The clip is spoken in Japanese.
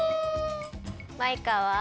マイカは？